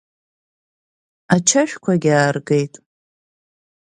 Ачашәқәагьы ааргеит.